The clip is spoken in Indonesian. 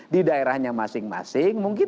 di daerahnya masing masing mungkin